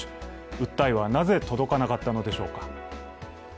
訴えはなぜ届かなかったのでしょうか。